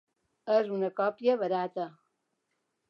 És una còpia barata.